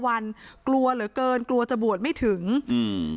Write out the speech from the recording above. ไม่อยากให้มองแบบนั้นจบดราม่าสักทีได้ไหม